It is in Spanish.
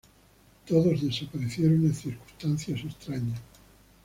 Todos desaparecieron en circunstancias raras.